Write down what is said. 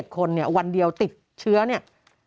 คนเนี่ยวันเดียวติดเชื้อเนี่ย